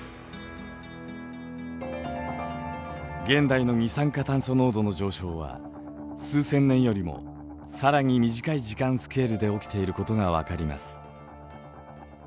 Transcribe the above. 現代の二酸化炭素濃度の上昇は数千年よりも更に短い時間スケールで起きていることが分かります。